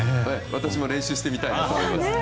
私も練習したいと思います。